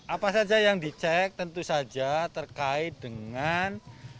apa saja yang dicek tentu saja terkait dengan